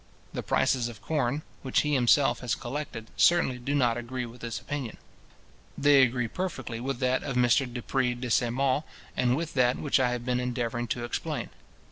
The prices of corn, which he himself has collected, certainly do not agree with this opinion. They agree perfectly with that of Mr Dupré de St Maur, and with that which I have been endeavouring to explain.